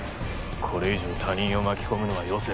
これ以上他人を巻き込むのはよせ。